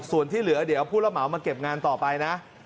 ส่วนที่เหลือเดี๋ยวผู้รับเหมามาเก็บงานต่อไปนะ